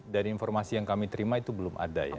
dari informasi yang kami terima itu belum ada ya